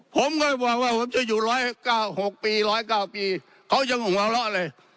ผมก็ว่าว่าผมจะอยู่๑๐๙ปี๑๐๖๑๐๙ปีเขายังหวังแล้วเลย